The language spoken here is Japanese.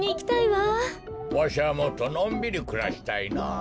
わしはもっとのんびりくらしたいなあ。